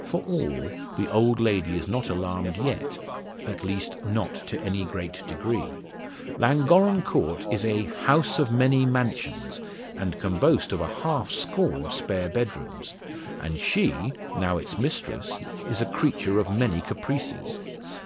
For all, the old lady is not alarmed yet at least, not to any great degree. Llangorren Court is a "house of many mansions," and can boast of a half score spare bedrooms. And she, now its mistress, is a creature of many caprices.